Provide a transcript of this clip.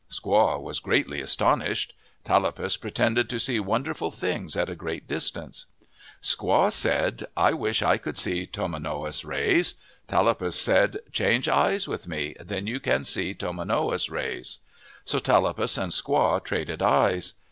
Squaw was greatly astonished. Tallapus pretended to see wonderful things at a great distance. 9 129 MYTHS AND LEGENDS Squaw said, " I wish I could see tomanowos rays." Tallapus said, " Change eyes with me. Then you can see tomanowos rays." So Tallapus and Squaw traded eyes.